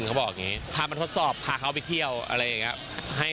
เขาบอกะเงี้ยพามาทดสอบพาเขาไปเที่ยวซ์อะไรแบบนี้